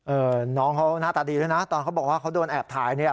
น้องเขาหน้าตาดีด้วยนะตอนเขาบอกว่าเขาโดนแอบถ่ายเนี่ย